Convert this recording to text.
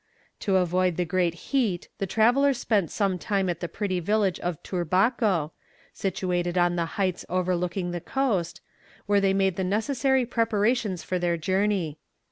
To avoid the great heat the travellers spent some time at the pretty village of Turbaco, situated on the heights overlooking the coast, where they made the necessary preparations for their journey.